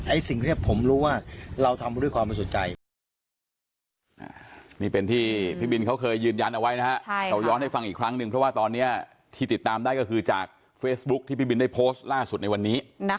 ไอ้สิ่งเรียกผมรู้ว่าเราทำด้วยความประสุนใจ